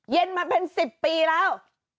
เย็นมาเป็น๑๐ปีแล้ว